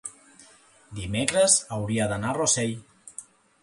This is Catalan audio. Dimecres hauria d'anar a Rossell.